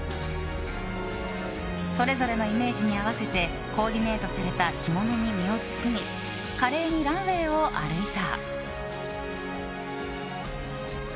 それぞれのイメージに合わせてコーディネートされた着物に身を包み華麗にランウェーを歩いた。